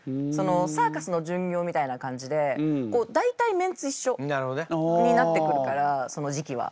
サーカスの巡業みたいな感じで大体メンツ一緒になってくるからその時期は。